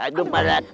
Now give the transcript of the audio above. aduh bala aku